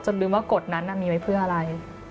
ลืมว่ากฎนั้นมีไว้เพื่ออะไร